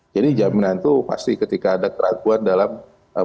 jadi jaminan itu pasti ketika ada keraguan dalam proyek kereta cepat ini begitu